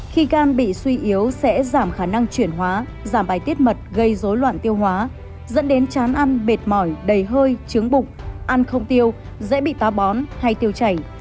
khi gan bị suy yếu sẽ giảm khả năng chuyển hóa giảm bài tiết mật gây dối loạn tiêu hóa dẫn đến chán ăn mệt mỏi đầy hơi chướng bụng ăn không tiêu dễ bị táo bón hay tiêu chảy